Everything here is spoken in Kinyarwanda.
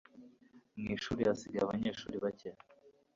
mu ishuri hasigaye abanyeshuri bake